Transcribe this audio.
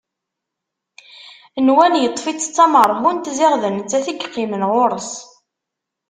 Nwan yeṭṭef-itt d tamerhunt, ziɣ d nettat i yeqqimen ɣur-s.